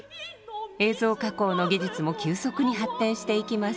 映像加工の技術も急速に発展していきます。